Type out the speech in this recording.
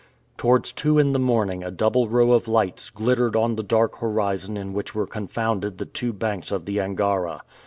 Towards two in the morning a double row of lights glittered on the dark horizon in which were confounded the two banks of the Angara.